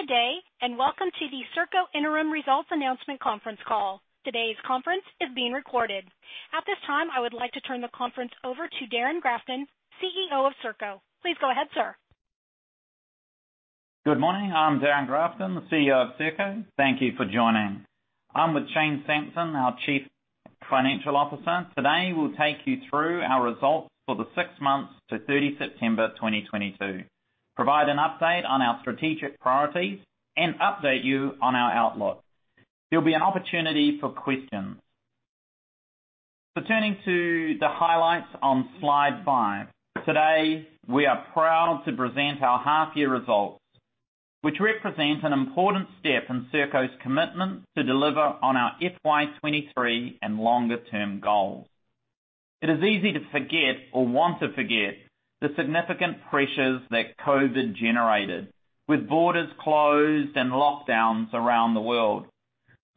Good day, welcome to the Serko Interim Results Announcement conference call. Today's conference is being recorded. At this time, I would like to turn the conference over to Darrin Grafton, CEO of Serko. Please go ahead, sir. Good morning. I'm Darrin Grafton, the CEO of Serko. Thank you for joining. I'm with Shane Sampson, our Chief Financial Officer. Today, we'll take you through our results for the six months to 30 September 2022, provide an update on our strategic priorities, and update you on our outlook. There'll be an opportunity for questions. Turning to the highlights on slide five. Today, we are proud to present our half-year results, which represent an important step in Serko's commitment to deliver on our FY 2023 and longer-term goals. It is easy to forget or want to forget the significant pressures that COVID generated with borders closed and lockdowns around the world.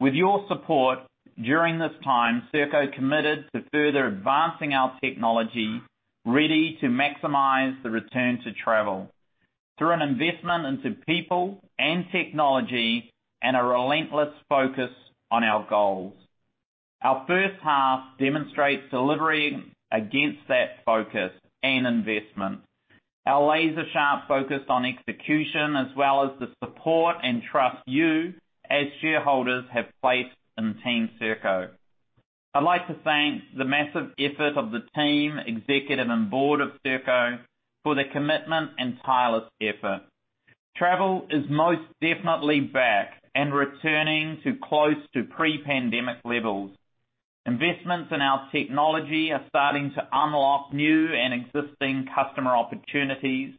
With your support during this time, Serko committed to further advancing our technology ready to maximize the return to travel through an investment into people and technology and a relentless focus on our goals. Our first half demonstrates delivery against that focus and investment. Our laser-sharp focus on execution as well as the support and trust you as shareholders have placed in team Serko. I'd like to thank the massive effort of the team, executive, and board of Serko for their commitment and tireless effort. Travel is most definitely back and returning to close to pre-pandemic levels. Investments in our technology are starting to unlock new and existing customer opportunities,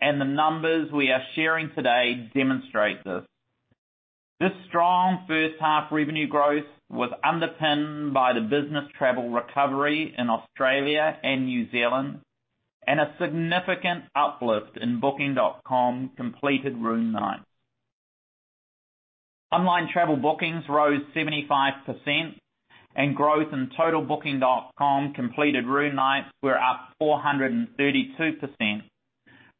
and the numbers we are sharing today demonstrate this. This strong first half revenue growth was underpinned by the business travel recovery in Australia and New Zealand and a significant uplift in Booking.com completed room nights. Online travel bookings rose 75%, and growth in total Booking.com completed room nights were up 432%,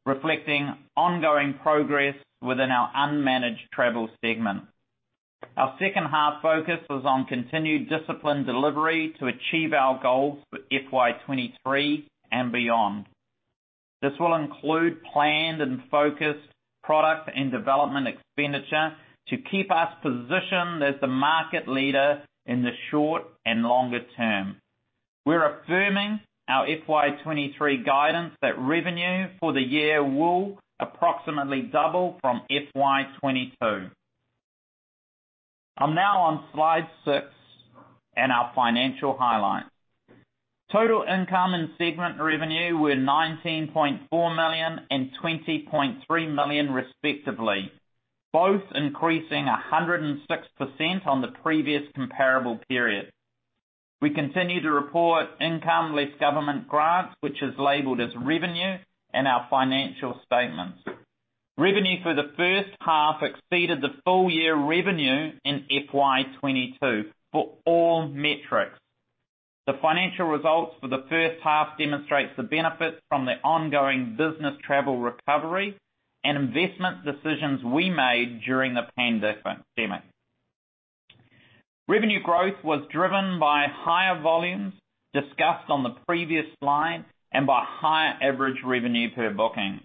reflecting ongoing progress within our unmanaged travel segment. Our second half focus was on continued disciplined delivery to achieve our goals for FY 2023 and beyond. This will include planned and focused product and development expenditure to keep us positioned as the market leader in the short and longer term. We're affirming our FY 2023 guidance that revenue for the year will approximately double from FY 2022. I'm now on slide six and our financial highlights. Total income and segment revenue were 19.4 million and 20.3 million, respectively, both increasing 106% on the previous comparable period. We continue to report income less government grants, which is labeled as revenue in our financial statements. Revenue for the first half exceeded the full year revenue in FY 2022 for all metrics. The financial results for the first half demonstrates the benefits from the ongoing business travel recovery and investment decisions we made during the pandemic. Revenue growth was driven by higher volumes discussed on the previous slide and by higher average revenue per booking.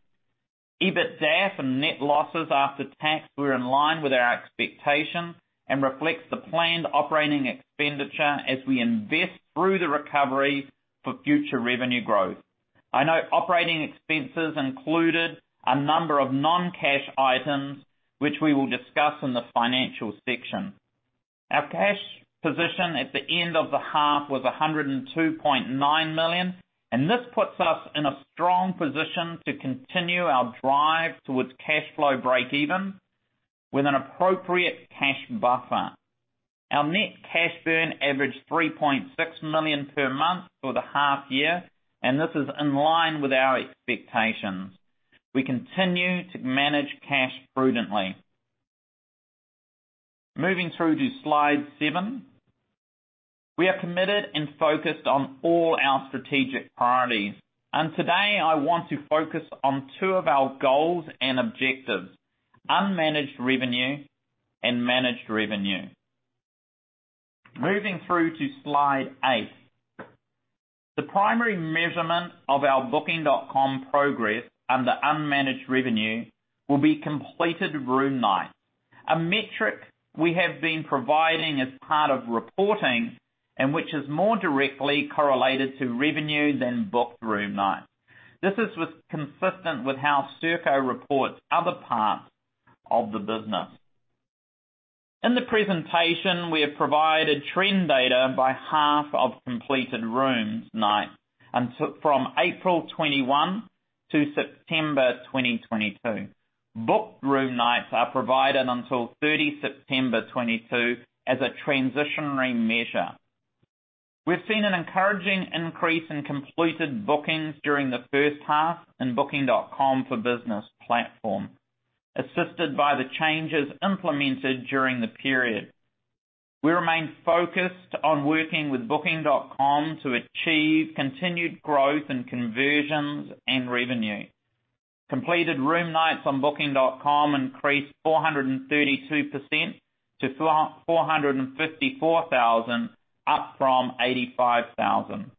EBITDA and net losses after tax were in line with our expectations and reflects the planned operating expenditure as we invest through the recovery for future revenue growth. I know operating expenses included a number of non-cash items which we will discuss in the financial section. Our cash position at the end of the half was 102.9 million. This puts us in a strong position to continue our drive towards cash flow breakeven with an appropriate cash buffer. Our net cash burn averaged 3.6 million per month for the half year. This is in line with our expectations. We continue to manage cash prudently. Moving through to slide seven. We are committed and focused on all our strategic priorities. Today I want to focus on two of our goals and objectives: unmanaged revenue and managed revenue. Moving through to slide eight. The primary measurement of our Booking.com progress under unmanaged revenue will be completed room nights, a metric we have been providing as part of reporting and which is more directly correlated to revenue than booked room nights. This is consistent with how Serko reports other parts of the business. In the presentation, we have provided trend data by half of completed rooms nights from April 2021 to September 2022. Booked room nights are provided until 30 September 2022 as a transitionary measure. We've seen an encouraging increase in completed bookings during the first half in Booking.com for Business platform, assisted by the changes implemented during the period. We remain focused on working with Booking.com to achieve continued growth in conversions and revenue. Completed room nights on Booking.com increased 432% to 454,000, up from 85,000.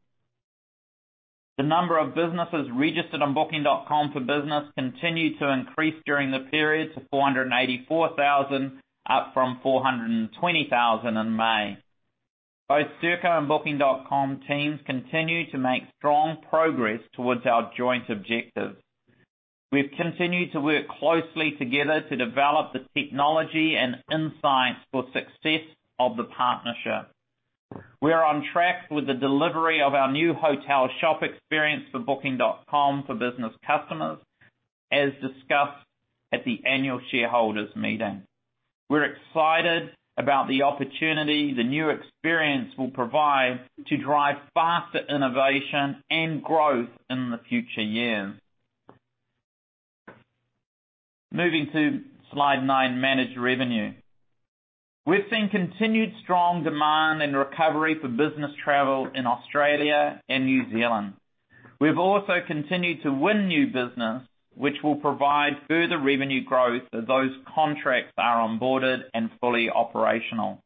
The number of businesses registered on Booking.com for Business continued to increase during the period to 484,000, up from 420,000 in May. Both Serko and Booking.com teams continue to make strong progress towards our joint objectives. We've continued to work closely together to develop the technology and insights for success of the partnership. We are on track with the delivery of our new hotel shop experience for Booking.com for Business customers, as discussed at the annual shareholders meeting. We're excited about the opportunity the new experience will provide to drive faster innovation and growth in the future years. Moving to slide nine, managed revenue. We've seen continued strong demand and recovery for business travel in Australia and New Zealand. We've also continued to win new business, which will provide further revenue growth as those contracts are onboarded and fully operational.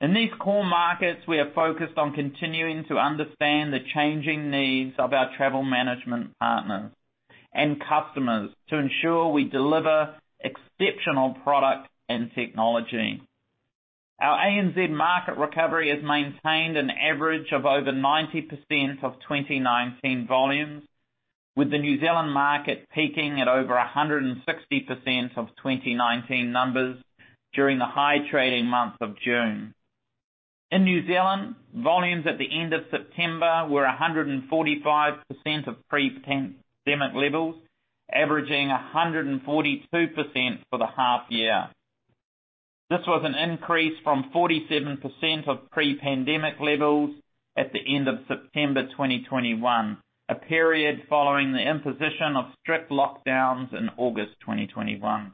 In these core markets, we are focused on continuing to understand the changing needs of our travel management partners and customers to ensure we deliver exceptional product and technology. Our ANZ market recovery has maintained an average of over 90% of 2019 volumes, with the New Zealand market peaking at over 160% of 2019 numbers during the high trading month of June. In New Zealand, volumes at the end of September were 145% of pre-pandemic levels, averaging 142% for the half year. This was an increase from 47% of pre-pandemic levels at the end of September 2021, a period following the imposition of strict lockdowns in August 2021.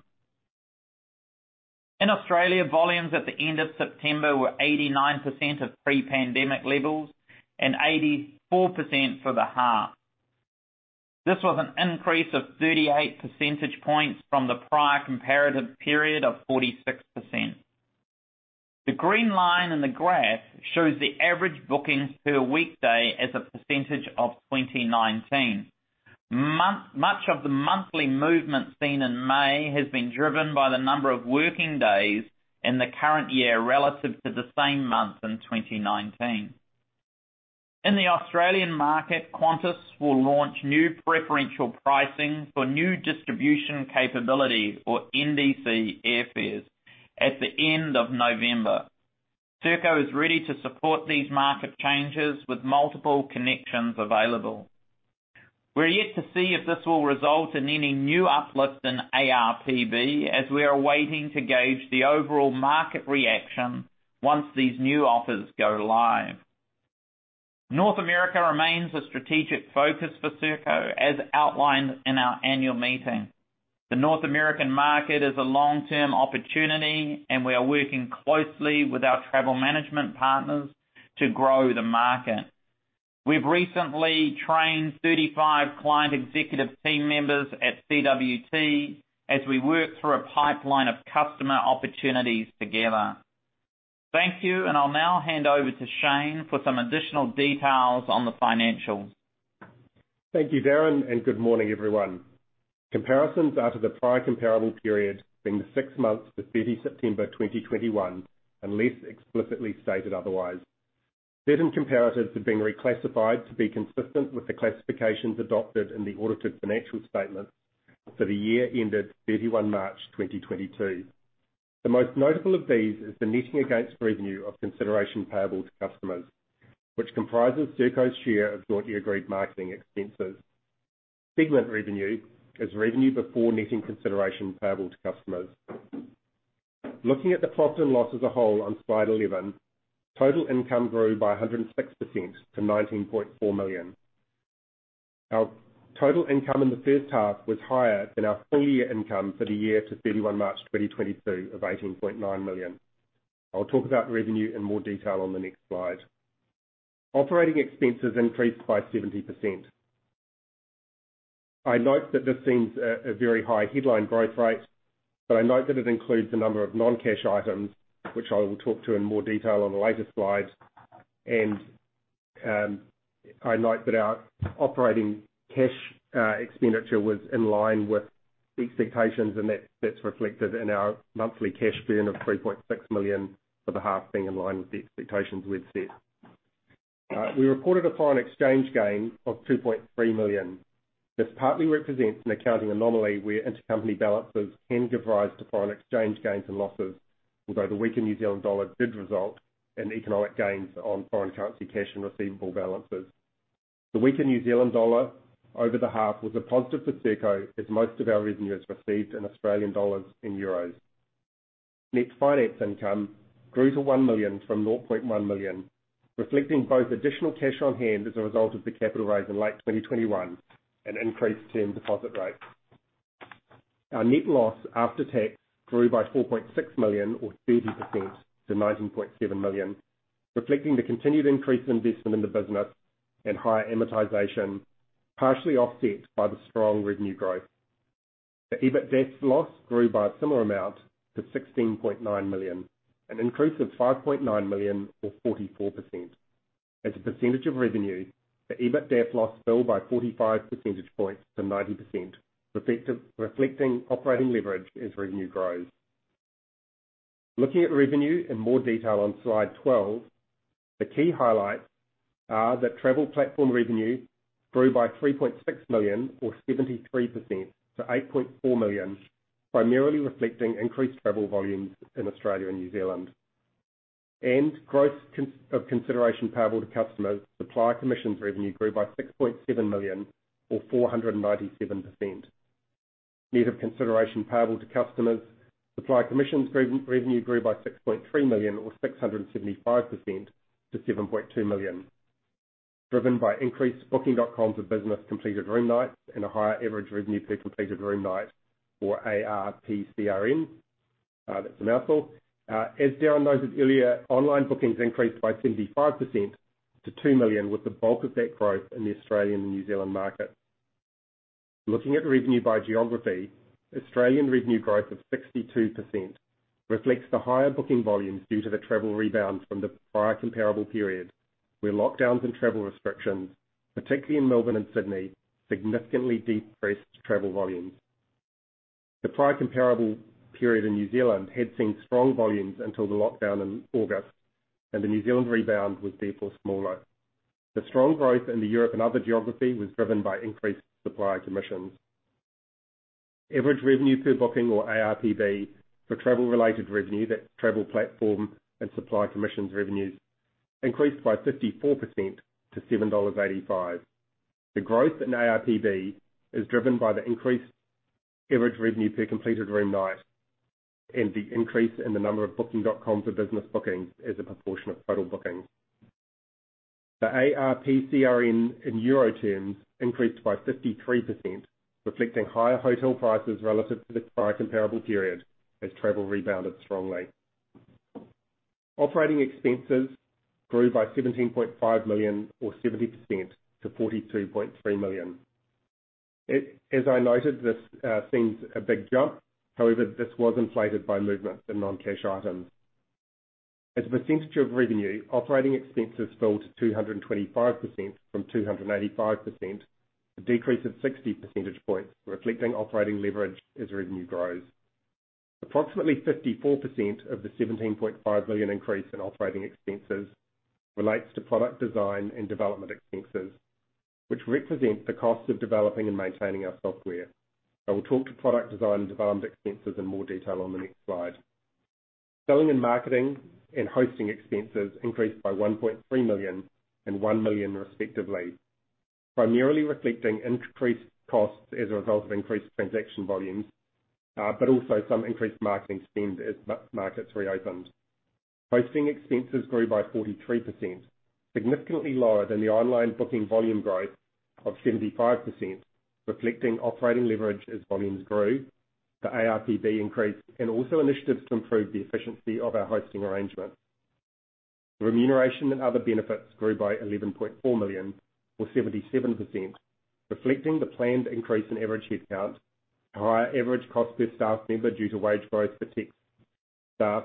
In Australia, volumes at the end of September were 89% of pre-pandemic levels and 84% for the half. This was an increase of 38 percentage points from the prior comparative period of 46%. The green line in the graph shows the average bookings per weekday as a percentage of 2019. Much of the monthly movement seen in May has been driven by the number of working days in the current year relative to the same months in 2019. In the Australian market, Qantas will launch new preferential pricing for new distribution capabilities or NDC airfares at the end of November. Serko is ready to support these market changes with multiple connections available. We're yet to see if this will result in any new uplift in ARPB as we are waiting to gauge the overall market reaction once these new offers go live. North America remains a strategic focus for Serko, as outlined in our annual meeting. The North American market is a long-term opportunity, and we are working closely with our travel management partners to grow the market. We've recently trained 35 client executive team members at CWT as we work through a pipeline of customer opportunities together. Thank you, and I'll now hand over to Shane for some additional details on the financials. Thank you, Darrin. Good morning, everyone. Comparisons are to the prior comparable period, being the six months to 30 September 2021, unless explicitly stated otherwise. Certain comparatives have been reclassified to be consistent with the classifications adopted in the audited financial statements for the year ended 31 March 2022. The most notable of these is the netting against revenue of consideration payable to customers, which comprises Serko's share of jointly agreed marketing expenses. Segment revenue is revenue before netting consideration payable to customers. Looking at the profit and loss as a whole on Slide 11, total income grew by 106% to 19.4 million. Our total income in the first half was higher than our full year income for the year to 31 March 2022 of 18.9 million. I'll talk about revenue in more detail on the next slide. Operating expenses increased by 70%. I note that this seems a very high headline growth rate, I note that it includes a number of non-cash items, which I will talk to in more detail on the later slides. I note that our operating cash expenditure was in line with expectations, that's reflected in our monthly cash burn of 3.6 million for the half being in line with the expectations we'd set. We reported a foreign exchange gain of 2.3 million. This partly represents an accounting anomaly where intercompany balances can give rise to foreign exchange gains and losses. Although the weaker New Zealand dollar did result in economic gains on foreign currency cash and receivable balances. The weaker New Zealand dollar over the half was a positive for Serko, as most of our revenue is received in Australian dollars and euros. Net finance income grew to 1 million from 0.1 million, reflecting both additional cash on hand as a result of the capital raise in late 2021 and increased term deposit rates. Our net loss after tax grew by 4.6 million or 30% to 19.7 million, reflecting the continued increased investment in the business and higher amortization, partially offset by the strong revenue growth. The EBITDAF loss grew by a similar amount to 16.9 million, an increase of 5.9 million or 44%. As a percentage of revenue, the EBITDAF loss fell by 45 percentage points to 90%, reflecting operating leverage as revenue grows. Looking at revenue in more detail on slide twelve, the key highlights are that travel platform revenue grew by 3.6 million or 73% to 8.4 million, primarily reflecting increased travel volumes in Australia and New Zealand. Gross consideration payable to customers, supply commissions revenue grew by 6.7 million or 497%. Net of consideration payable to customers, supply commissions revenue grew by 6.3 million or 675% to 7.2 million, driven by increased Booking.com for Business completed room nights and a higher average revenue per completed room night or ARPCRN. That's a mouthful. As Darrin noted earlier, online bookings increased by 75% to 2 million, with the bulk of that growth in the Australian and New Zealand market. Looking at revenue by geography, Australian revenue growth of 62% reflects the higher booking volumes due to the travel rebound from the prior comparable period, where lockdowns and travel restrictions, particularly in Melbourne and Sydney, significantly decreased travel volumes. The prior comparable period in New Zealand had seen strong volumes until the lockdown in August, and the New Zealand rebound was therefore smaller. The strong growth in the Europe and other geography was driven by increased supply commissions. Average revenue per booking, or ARPB, for travel-related revenue, that's travel platform and supply commissions revenues, increased by 54% to 7.85 dollars. The growth in ARPB is driven by the increased average revenue per completed room night and the increase in the number of Booking.com for Business bookings as a proportion of total bookings. The ARPCRN in euro terms increased by 53%, reflecting higher hotel prices relative to the prior comparable period as travel rebounded strongly. Operating expenses grew by 17.5 million or 70% to 42.3 million. As I noted, this seems a big jump. However, this was inflated by movement in non-cash items. As a percentage of revenue, operating expenses fell to 225% from 285%, a decrease of 60 percentage points, reflecting operating leverage as revenue grows. Approximately 54% of the 17.5 million increase in operating expenses relates to product design and development expenses, which represent the cost of developing and maintaining our software. I will talk to product design and development expenses in more detail on the next slide. Selling and marketing and hosting expenses increased by 1.3 million and 1 million respectively, primarily reflecting increased costs as a result of increased transaction volumes, but also some increased marketing spend as markets reopened. Hosting expenses grew by 43%, significantly lower than the online booking volume growth of 75%, reflecting operating leverage as volumes grew, the ARPB increase and also initiatives to improve the efficiency of our hosting arrangement. Remuneration and other benefits grew by 11.4 million or 77%, reflecting the planned increase in average headcount, a higher average cost per staff member due to wage growth for tech staff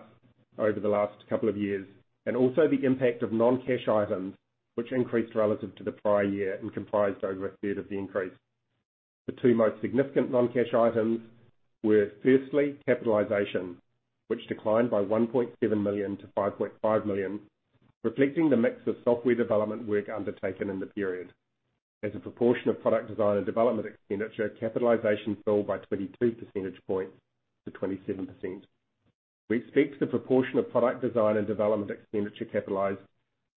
over the last couple of years, and also the impact of non-cash items which increased relative to the prior year and comprised over a third of the increase. The two most significant non-cash items were firstly, capitalization, which declined by 1.7 million to 5.5 million, reflecting the mix of software development work undertaken in the period. As a proportion of product design and development expenditure, capitalization fell by 22 percentage points to 27%. We expect the proportion of product design and development expenditure capitalized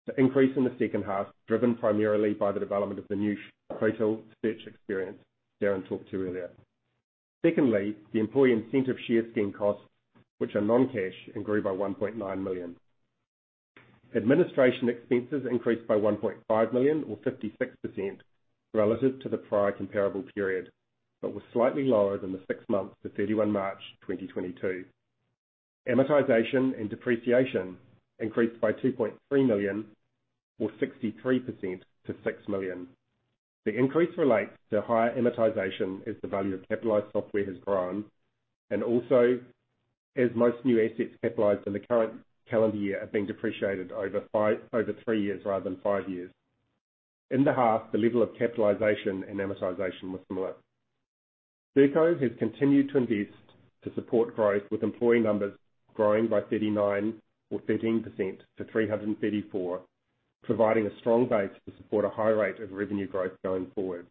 to increase in the second half, driven primarily by the development of the new hotel search experience Darrin talked to earlier. Secondly, the employee incentive share scheme costs, which are non-cash and grew by 1.9 million. Administration expenses increased by 1.5 million or 56% relative to the prior comparable period, but was slightly lower than the six months to 31 March 2022. Amortization and depreciation increased by 2.3 million or 63% to 6 million. The increase relates to higher amortization as the value of capitalized software has grown, and also as most new assets capitalized in the current calendar year are being depreciated over three years rather than five years. In the half, the level of capitalization and amortization was similar. Serko has continued to invest to support growth, with employee numbers growing by 39 or 13% to 334, providing a strong base to support a high rate of revenue growth going forward.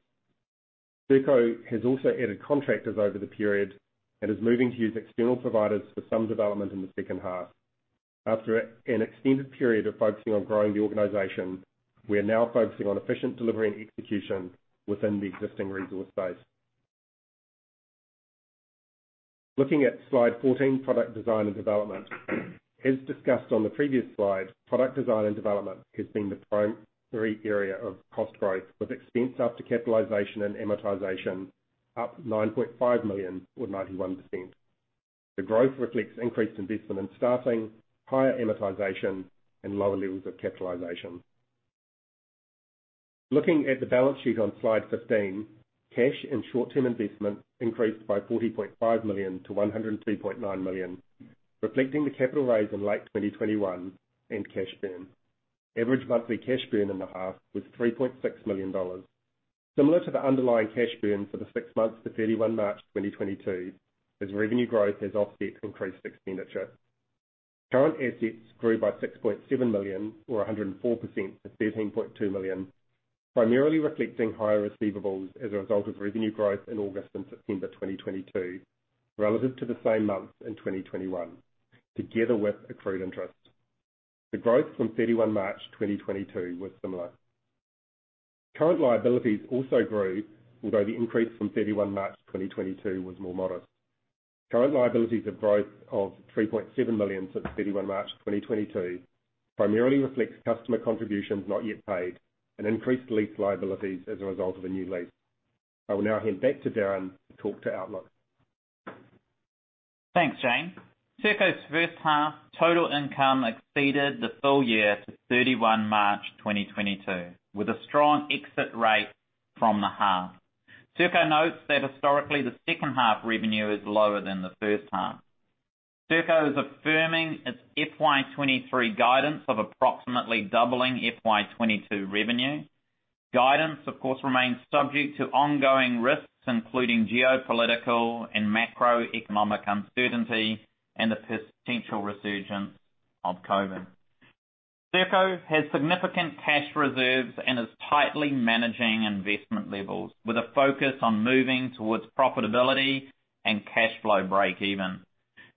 Serko has also added contractors over the period and is moving to use external providers for some development in the second half. After an extended period of focusing on growing the organization, we are now focusing on efficient delivery and execution within the existing resource base. Looking at slide 14, product design and development. As discussed on the previous slide, product design and development has been the primary area of cost growth, with expense after capitalization and amortization up 9.5 million, or 91%. The growth reflects increased investment in staffing, higher amortization, and lower levels of capitalization. Looking at the balance sheet on slide 15, cash and short-term investments increased by 40.5 million to 102.9 million, reflecting the capital raise in late 2021 and cash burn. Average monthly cash burn in the half was 3.6 million dollars. Similar to the underlying cash burn for the six months to 31 March 2022, as revenue growth has offset increased expenditure. Current assets grew by 6.7 million or 104% to 13.2 million, primarily reflecting higher receivables as a result of revenue growth in August and September 2022, relative to the same months in 2021, together with accrued interest. The growth from 31 March 2022 was similar. Current liabilities also grew, although the increase from 31 March 2022 was more modest. Current liabilities have growth of 3.7 million since 31 March 2022, primarily reflects customer contributions not yet paid and increased lease liabilities as a result of a new lease. I will now hand back to Darrin to talk to outlook. Thanks, Shane. Serko's first half total income exceeded the full year to 31 March 2022, with a strong exit rate from the half. Serko notes that historically the second half revenue is lower than the first half. Serko is affirming its FY 2023 guidance of approximately doubling FY 2022 revenue. Guidance, of course, remains subject to ongoing risks, including geopolitical and macroeconomic uncertainty and the potential resurgence of COVID. Serko has significant cash reserves and is tightly managing investment levels with a focus on moving towards profitability and cash flow break even.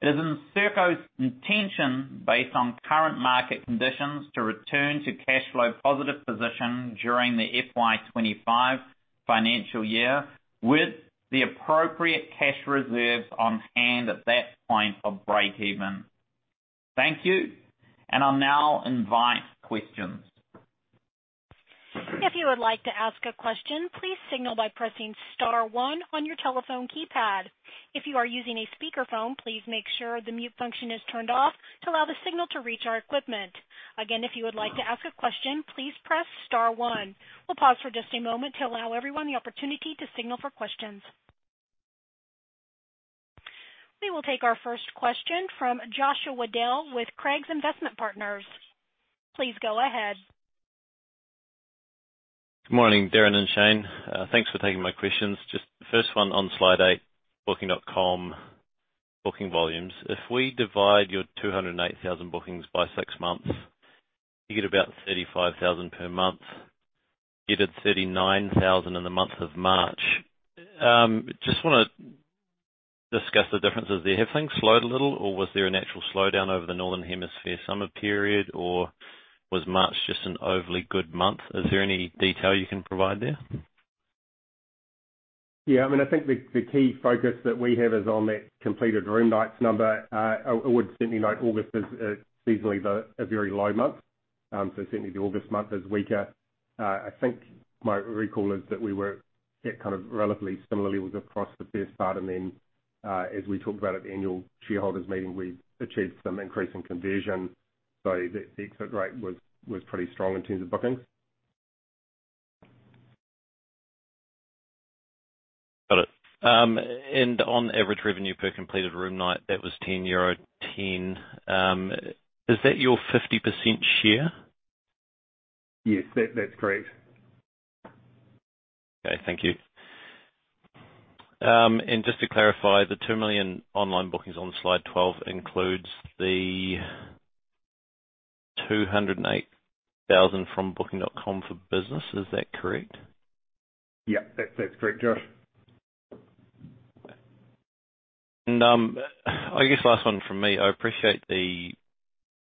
It is in Serko's intention, based on current market conditions, to return to cash flow positive position during the FY 2025 financial year with the appropriate cash reserves on hand at that point of breakeven. Thank you. I'll now invite questions. If you would like to ask a question, please signal by pressing star one on your telephone keypad. If you are using a speaker phone, please make sure the mute function is turned off to allow the signal to reach our equipment. Again, if you would like to ask a question, please press star one. We'll pause for just a moment to allow everyone the opportunity to signal for questions. We will take our first question from Joshua Dale with Craigs Investment Partners. Please go ahead. Good morning, Darrin and Shane. Thanks for taking my questions. Just first one on slide eight, Booking.com booking volumes. If we divide your 208,000 bookings by six months, you get about 35,000 per month. You did 39,000 in the month of March. Just wanna discuss the differences there. Have things slowed a little, or was there a natural slowdown over the Northern Hemisphere summer period, or was March just an overly good month? Is there any detail you can provide there? Yeah, I mean, I think the key focus that we have is on that completed room nights number. I would certainly note August is seasonally the, a very low month. Certainly the August month is weaker. I think my recall is that we were at kind of relatively similar levels across the first part. As we talked about at the annual shareholders meeting, we achieved some increase in conversion. The, the exit rate was pretty strong in terms of bookings. Got it. On average revenue per completed room night, that was 10.10 euro. Is that your 50% share? Yes. That's correct. Okay, thank you. Just to clarify, the 2 million online bookings on slide 12 includes the 208,000 from Booking.com for Business. Is that correct? Yeah. That's correct, Josh. I guess last one from me. I appreciate the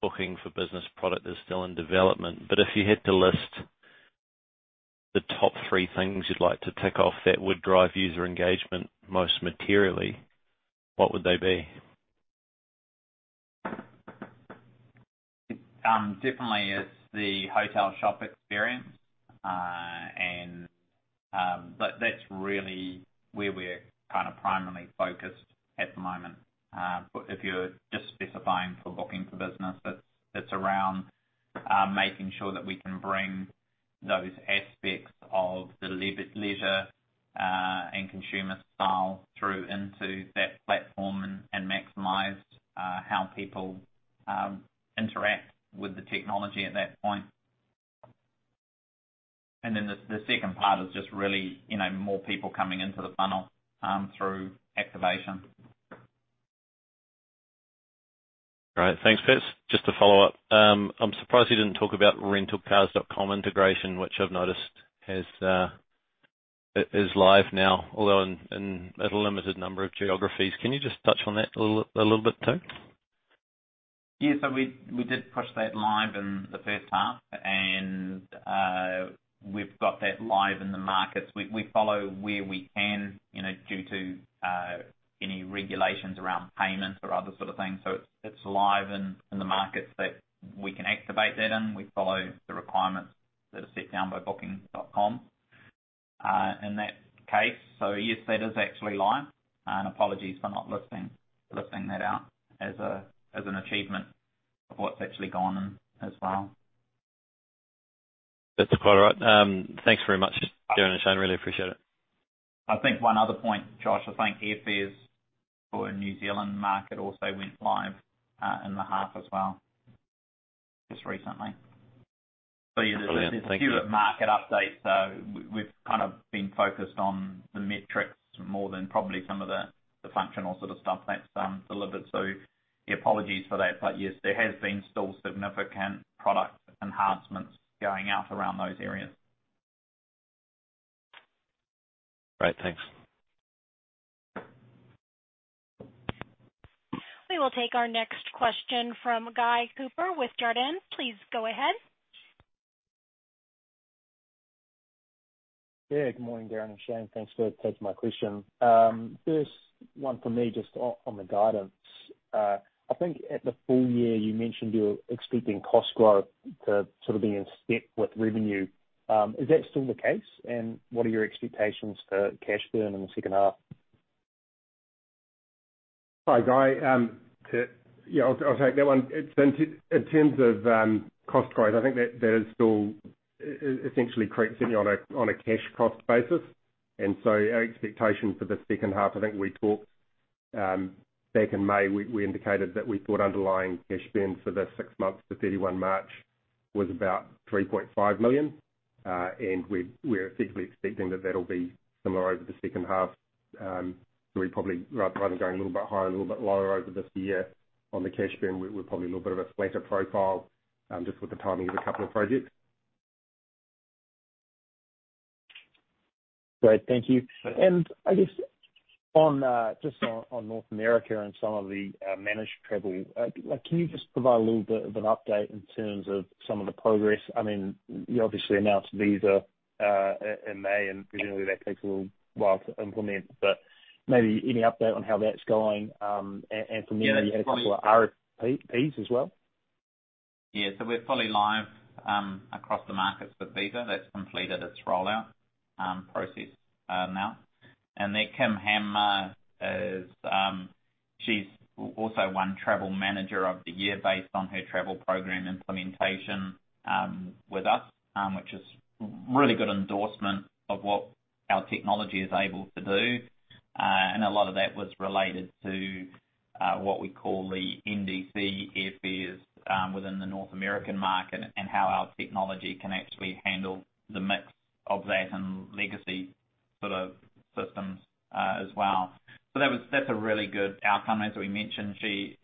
Booking for Business product is still in development, but if you had to list the top three things you'd like to tick off that would drive user engagement most materially, what would they be? Definitely it's the hotel shop experience. That's really where we're kind of primarily focused at the moment. If you're just specifying for Booking for Business, it's around making sure that we can bring those aspects of the leisure and consumer style through into that platform and maximize how people interact with the technology at that point. The second part is just really, you know, more people coming into the funnel through activation. All right. Thanks. Just to follow up, I'm surprised you didn't talk about Rentalcars.com integration, which I've noticed has is live now, although in at a limited number of geographies. Can you just touch on that a little bit too? Yeah. We, we did push that live in the first half, and we've got that live in the markets. We, we follow where we can, you know, due to any regulations around payments or other sort of things. It's live in the markets that we can activate that in. We follow the requirements that are set down by Booking.com in that case. Yes, that is actually live. Apologies for not lifting that out as a, as an achievement of what's actually gone on as well. That's quite all right. Thanks very much, Darrin and Shane. Really appreciate it. I think one other point, Josh, I think airfares for New Zealand market also went live, in the half as well just recently. Brilliant. Thank you. Yeah, there's a few market updates. We've kind of been focused on the metrics more than probably some of the functional sort of stuff that's delivered. Yeah, apologies for that. Yes, there has been still significant product enhancements going out around those areas. Great. Thanks. We will take our next question from Guy Hooper with Jarden. Please go ahead. Good morning, Darrin and Shane. Thanks for taking my question. First one from me just on the guidance. I think at the full year you mentioned you're expecting cost growth to sort of be in step with revenue. Is that still the case? What are your expectations for cash burn in the second half? Hi, Guy. I'll take that one. In terms of cost growth, I think that that is still essentially correct, certainly on a cash cost basis. Our expectation for the second half, I think we talked back in May, we indicated that we thought underlying cash burn for the six months to 31 March was about 3.5 million. We're effectively expecting that that'll be similar over the second half. We probably rather than going a little bit higher, a little bit lower over this year on the cash burn, we're probably a little bit of a flatter profile, just with the timing of a couple of projects. Great. Thank you. I guess on, just on North America and some of the, managed travel, like can you just provide a little bit of an update in terms of some of the progress? I mean, you obviously announced Visa, in May, and presumably that takes a little while to implement, but maybe any update on how that's going? From there, you had a couple of RFPs as well. We're fully live across the markets with Visa. That's completed its rollout process now. Kim Hamer is she's also won Travel Manager of the Year based on her travel program implementation with us, which is really good endorsement of what our technology is able to do. A lot of that was related to what we call the NDC airfares within the North American market and how our technology can actually handle the mix of that and legacy sort of systems as well. That's a really good outcome. As we mentioned, she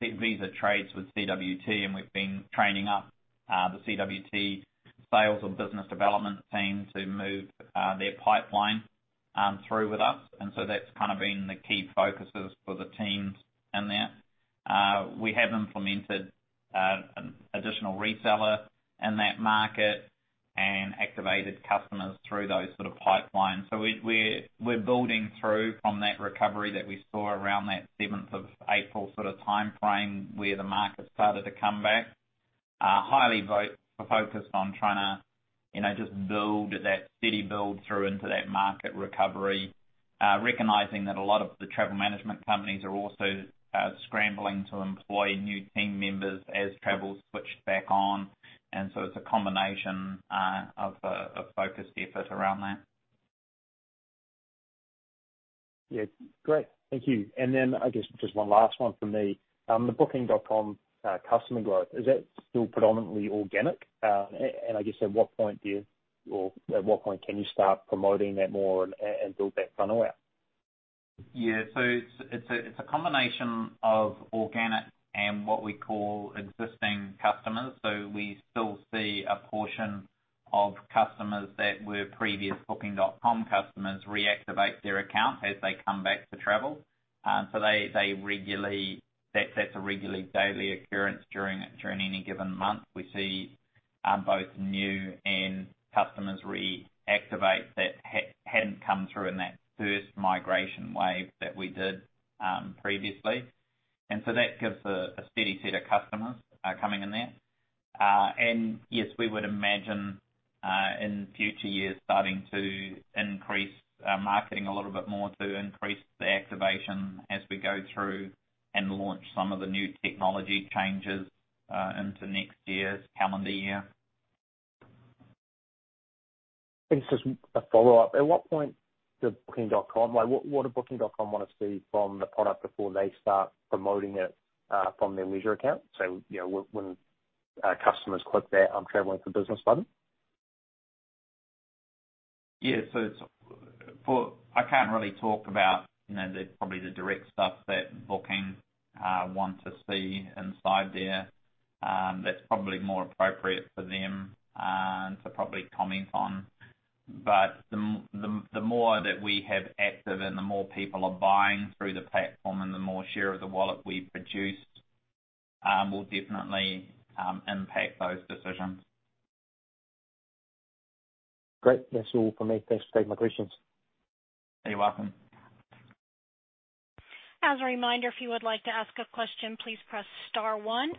Visa trades with CWT, and we've been training up the CWT sales and business development team to move their pipeline through with us. That's kind of been the key focuses for the teams in that. We have implemented an additional reseller in that market and activated customers through those sort of pipelines. We're building through from that recovery that we saw around that seventh of April sort of timeframe, where the market started to come back. Highly focused on trying to, you know, just build that steady build through into that market recovery. Recognizing that a lot of the travel management companies are also scrambling to employ new team members as travel's switched back on. It's a combination of a focused effort around that. Yeah. Great. Thank you. I guess just one last one from me. The Booking.com customer growth, is that still predominantly organic? I guess at what point do you or at what point can you start promoting that more and build that funnel out? It's a combination of organic and what we call existing customers. We still see a portion of customers that were previous Booking.com customers reactivate their account as they come back to travel. That's a regular daily occurrence during any given month. We see both new and customers reactivate that hadn't come through in that first migration wave that we did previously. That gives a steady set of customers coming in there. Yes, we would imagine in future years starting to increase our marketing a little bit more to increase the activation as we go through and launch some of the new technology changes into next year's calendar year. Just a follow-up. At what point did Booking.com, like what did Booking.com wanna see from the product before they start promoting it from their leisure account? You know, when customers click that I'm traveling for business button. Yeah. I can't really talk about, you know, probably the direct stuff that Booking want to see inside their. That's probably more appropriate for them to probably comment on. The more that we have active and the more people are buying through the platform and the more share of the wallet we produce, will definitely impact those decisions. Great. That's all for me. Thanks for taking my questions. You're welcome. As a reminder, if you would like to ask a question, please press star one.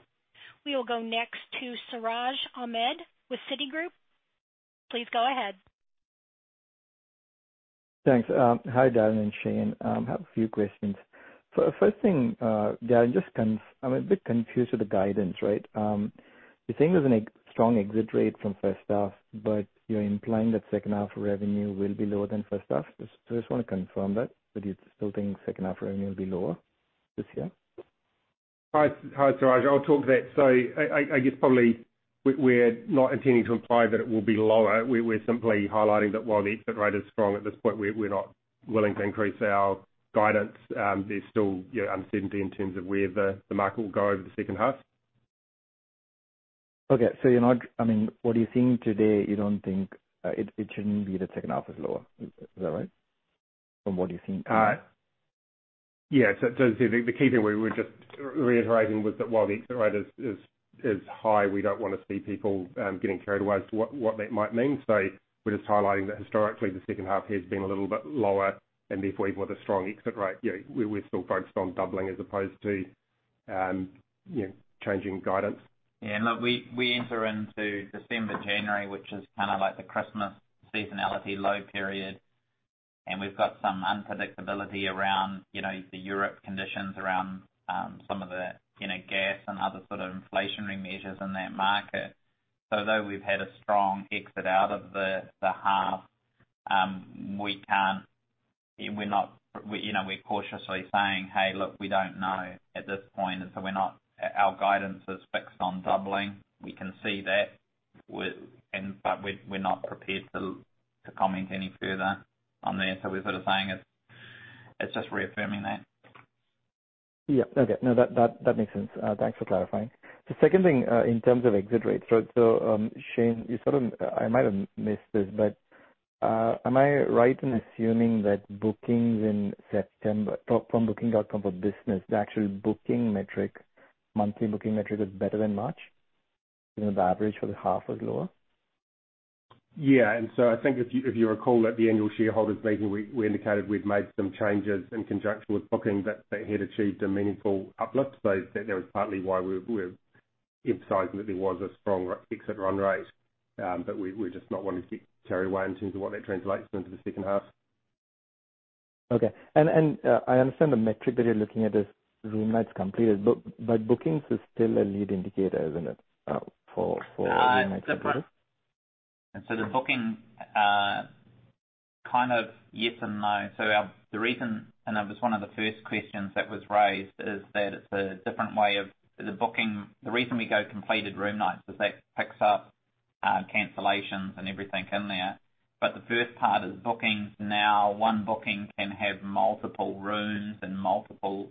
We will go next to Siraj Ahmed with Citigroup. Please go ahead. Thanks. Hi, Darrin and Shane. Have a few questions. First thing, Darrin, just I'm a bit confused with the guidance, right? You're saying there's a strong exit rate from first half, but you're implying that second half revenue will be lower than first half. Just wanna confirm that you're still thinking second half revenue will be lower this year. Hi, Siraj. I'll talk to that. I guess probably we're not intending to imply that it will be lower. We're simply highlighting that while the exit rate is strong, at this point we're not willing to increase our guidance. There's still, you know, uncertainty in terms of where the market will go over the second half. You're not... I mean, what you're seeing today, you don't think it shouldn't be that second half is lower. Is that right? From what you're seeing? Yeah. The key thing we were just reiterating was that while the exit rate is high, we don't wanna see people getting carried away as to what that might mean. We're just highlighting that historically the second half has been a little bit lower, and therefore, even with a strong exit rate, you know, we're still focused on doubling as opposed to, changing guidance. Yeah. Look, we enter into December, January, which is kind of like the Christmas seasonality low period, and we've got some unpredictability around, you know, the Europe conditions around, some of the, you know, gas and other sort of inflationary measures in that market. Though we've had a strong exit out of the half, we're not, you know, we're cautiously saying, "Hey, look, we don't know at this point." We're not. Our guidance is fixed on doubling. We can see that and but we're not prepared to comment any further on that. We're sort of saying it's just reaffirming that. Yeah. Okay. No, that makes sense. Thanks for clarifying. The second thing, in terms of exit rates. Shane, I might have missed this, but am I right in assuming that bookings in September, from Booking.com for Business, the actual booking metric, monthly booking metric is better than March, even if the average for the half was lower? Yeah. I think if you, if you recall at the annual shareholders meeting, we indicated we'd made some changes in conjunction with Booking that had achieved a meaningful uplift. That, that was partly why we're emphasizing that there was a strong exit run rate. We're just not wanting to get carried away in terms of what that translates into the second half. Okay. I understand the metric that you're looking at is room nights completed, but bookings is still a lead indicator, isn't it, for room nights completed? The booking, kind of yes and no. The reason, and it was one of the first questions that was raised, is that it's a different way of. The reason we go completed room nights is that picks up cancellations and everything in there. The first part is bookings. Now, one booking can have multiple rooms and multiple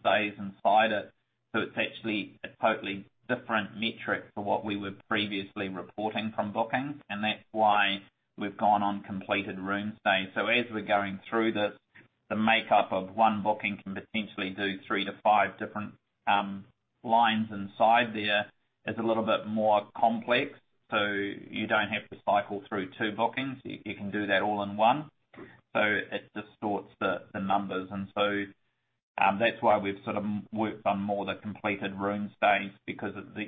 stays inside it, so it's actually a totally different metric to what we were previously reporting from bookings. That's why we've gone on completed room stays. As we're going through the makeup of one booking can potentially do three to five different lines inside there. It's a little bit more complex. You don't have to cycle through two bookings. You can do that all in one. It distorts the numbers. That's why we've sort of worked on more the completed room stays because of the.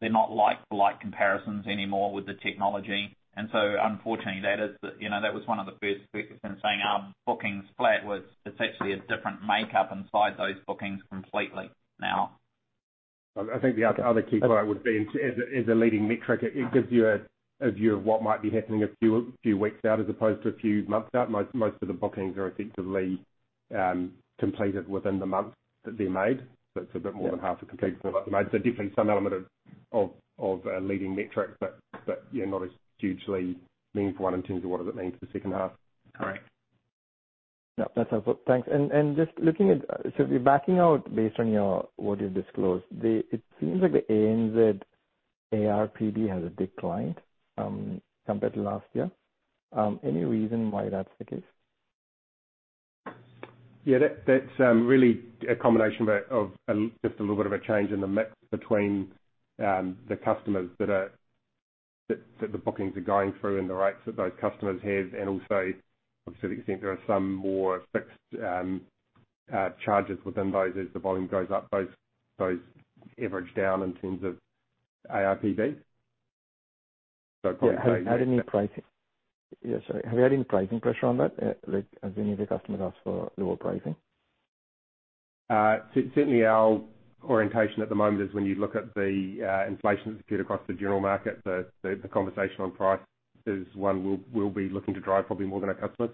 They're not like-for-like comparisons anymore with the technology. Unfortunately that is the. You know, that was one of the first questions in saying our bookings flat was, it's actually a different makeup inside those bookings completely now. I think the other key point would be as a leading metric, it gives you a view of what might be happening a few weeks out as opposed to a few months out. Most of the bookings are effectively completed within the month that they're made, so it's a bit more than half are completed made. Definitely some element of a leading metric, but, you know, not as hugely meaningful one in terms of what does it mean for the second half. Correct. Yeah. That's helpful. Thanks. Just looking at. If you're backing out based on your, what you've disclosed, it seems like the ANZ ARPB has declined, compared to last year. Any reason why that's the case? Yeah. That, that's really a combination of just a little bit of a change in the mix between the customers that the bookings are going through and the rates that those customers have. Also to the extent there are some more fixed charges within those as the volume goes up, those average down in terms of ARPBs. Probably. Sorry. Have you had any pricing pressure on that? Like has any of your customers asked for lower pricing? Certainly our orientation at the moment is when you look at the inflation that's appeared across the general market, the conversation on price is one we'll be looking to drive probably more than our customers.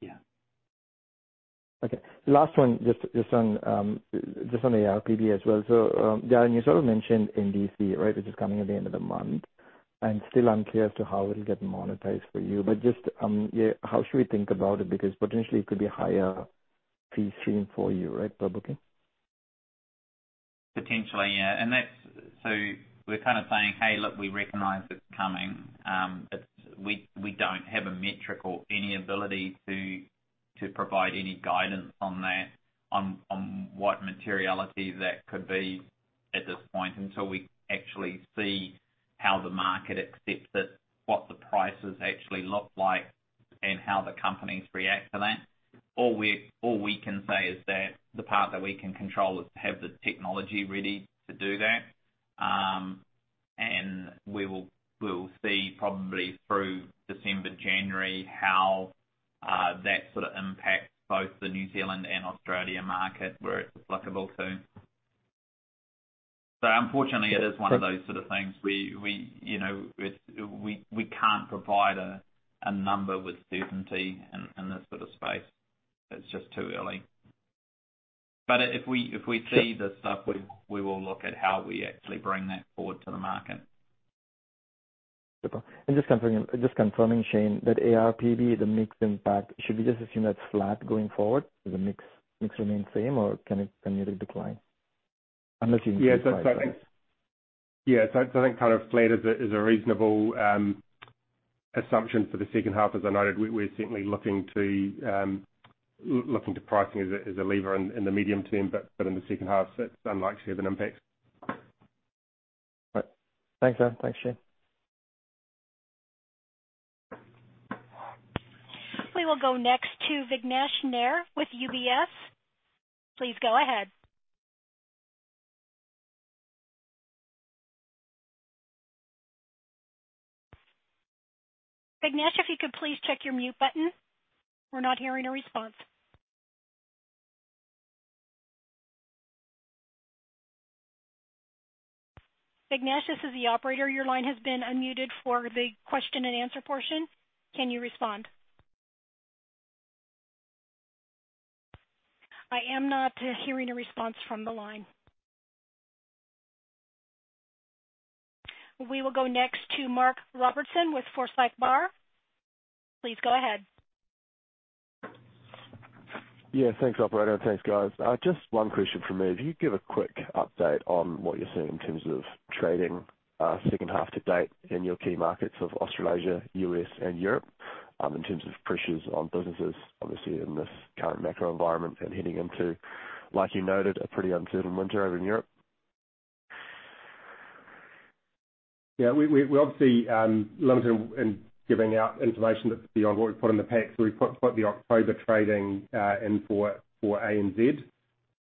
Yeah. Okay. Last one, just on the ARPB as well. Darrin, you sort of mentioned NDC, right? Which is coming at the end of the month. I'm still unclear as to how it'll get monetized for you. Just, yeah, how should we think about it? Because potentially it could be higher for you, right, by Booking? Potentially, yeah. That's we're kinda saying, "Hey, look, we recognize it's coming." It's we don't have a metric or any ability to provide any guidance on that, on what materiality that could be at this point until we actually see how the market accepts it, what the prices actually look like, and how the companies react to that. All we can say is that the part that we can control is to have the technology ready to do that. We will see probably through December, January, how that sorta impacts both the New Zealand and Australia market where it's applicable to. Unfortunately, it is one of those sort of things. We, you know, we can't provide a number with certainty in this sort of space. It's just too early. If we see the stuff, we will look at how we actually bring that forward to the market. Super. Just confirming, Shane, that ARPB, the mix impact, should we just assume that's flat going forward? Does the mix remain same or can it decline? I'm not seeing Yeah. I think kind of flat is a reasonable assumption for the second half. As I noted, we're certainly looking to pricing as a lever in the medium term. In the second half it's unlikely to have an impact. Right. Thanks, Dan. Thanks, Shane. We will go next to Vignesh Nair with UBS. Please go ahead. Vignesh, if you could please check your mute button. We're not hearing a response. Vignesh, this is the operator. Your line has been unmuted for the question and answer portion. Can you respond? I am not hearing a response from the line. We will go next to Mark Robertson with Forsyth Barr. Please go ahead. Thanks, operator. Thanks, guys. Just one question from me. If you could give a quick update on what you're seeing in terms of trading, second half to date in your key markets of Australasia, U.S., and Europe, in terms of pressures on businesses obviously in this current macro environment and heading into, like you noted, a pretty uncertain winter over in Europe? We're obviously limited in giving out information that's beyond what we've put in the pack. We put the October trading in for ANZ.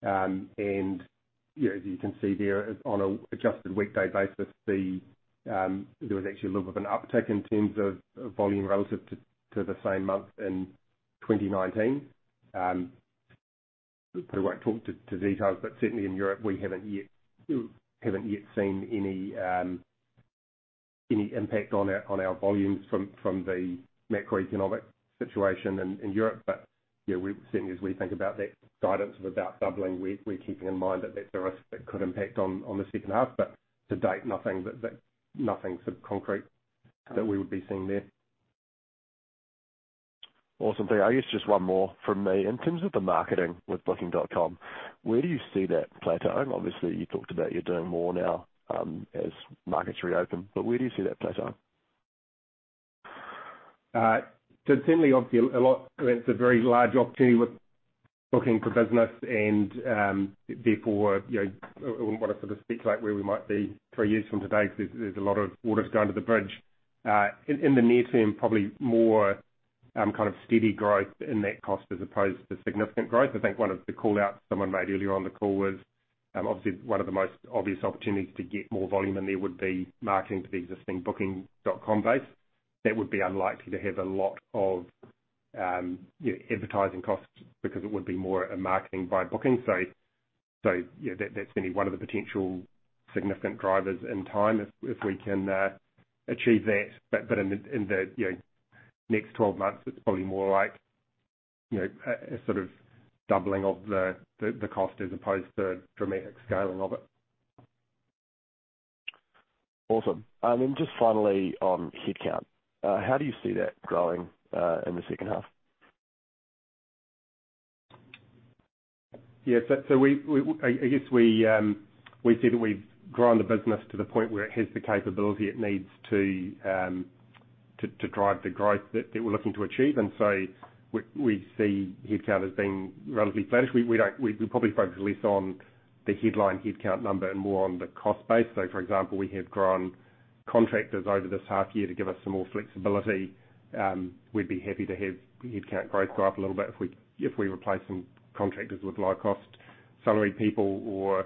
As you can see there on an adjusted weekday basis, there was actually a little bit of an uptick in terms of volume relative to the same month in 2019. We won't talk to details. Certainly in Europe, we haven't yet seen any impact on our volumes from the macroeconomic situation in Europe. Certainly as we think about that guidance of about doubling, we're keeping in mind that that's a risk that could impact on the second half. To date, nothing sort of concrete that we would be seeing there. Awesome. I guess just one more from me. In terms of the marketing with Booking.com, where do you see that plateauing? Obviously, you talked about you're doing more now, as markets reopen, but where do you see that plateauing? Certainly obviously I mean, it's a very large opportunity with Booking for Business and, therefore, you know, wouldn't wanna sort of speculate where we might be three years from today 'cause there's a lot of water's gone under the bridge. In the near term, probably more kind of steady growth in that cost as opposed to significant growth. I think one of the call-outs someone made earlier on the call was, obviously one of the most obvious opportunities to get more volume in there would be marketing to the existing Booking.com base. That would be unlikely to have a lot of, you know, advertising costs because it would be more a marketing by Booking. You know, that's gonna be one of the potential significant drivers in time if we can achieve that. In the, you know, next 12 months, it's probably more like, you know, a sort of doubling of the, the cost as opposed to dramatic scaling of it. Awesome. Just finally on headcount, how do you see that growing in the second half? We I guess we see that we've grown the business to the point where it has the capability it needs to drive the growth that we're looking to achieve. We see headcount as being relatively flattish. We don't probably focus less on the headline headcount number and more on the cost base. For example, we have grown contractors over this half year to give us some more flexibility. We'd be happy to have headcount growth go up a little bit if we replace some contractors with low cost salaried people or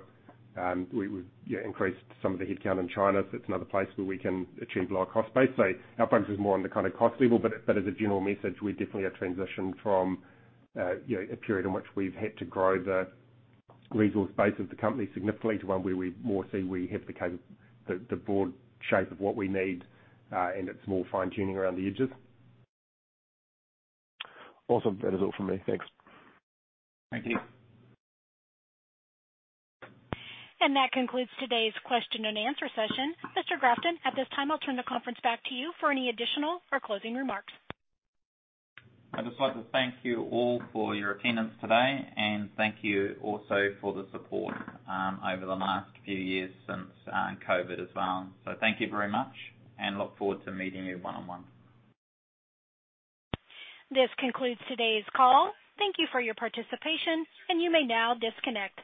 we would increase some of the headcount in China. It's another place where we can achieve lower cost base. Our focus is more on the kind of cost level. As a general message, we definitely are transitioned from, you know, a period in which we've had to grow the resource base of the company significantly to one where we more see we have the broad shape of what we need, and it's more fine-tuning around the edges. Awesome. That is all for me. Thanks. Thank you. That concludes today's question and answer session. Mr. Grafton, at this time, I'll turn the conference back to you for any additional or closing remarks. I'd just like to thank you all for your attendance today, and thank you also for the support, over the last few years since COVID as well. Thank you very much and look forward to meeting you one-on-one. This concludes today's call. Thank you for your participation, and you may now disconnect.